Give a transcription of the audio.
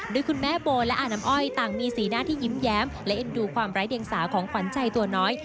โดยคุณแม่โบและอาน้ำอ้อยต่างมีสีหน้าที่ยิ้มแย้มและเอ็นดูความไร้เดียงสาของขวัญใจตัวน้อย